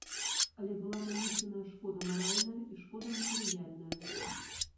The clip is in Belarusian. Але была нанесеная шкода маральная і шкода матэрыяльная.